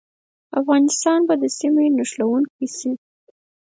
افغانستان به د سیمې نښلونکی شي؟